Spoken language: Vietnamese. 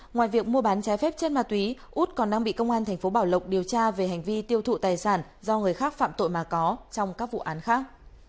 ngoài việc mua bán trái phép chất ma túy út còn đang bị công an tp bảo lộc điều tra về hành vi tiêu thụ tài sản do người khác phạm tội mà có trong các vụ án khác